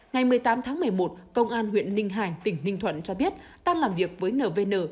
ngày một mươi tám tháng một mươi một công an huyện ninh hải tỉnh ninh thuận cho biết đang làm việc với nvn